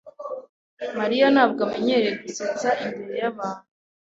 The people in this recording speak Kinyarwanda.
Mariya ntabwo amenyereye gusetsa imbere yabandi.